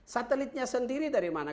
satelitnya sendiri dari mana